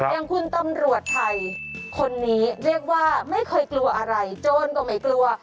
อย่างคุณตำรวจไทยคนนี้เรียกว่าไม่เคยกลัวอะไรโจรก็ไม่กลัว